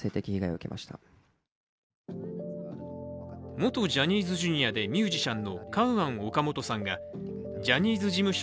元ジャニーズＪｒ．でミュージシャンのカウアン・オカモトさんがジャニーズ事務所